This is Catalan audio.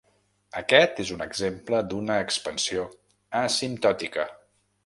Aquest és un exemple d'una expansió asimptòtica.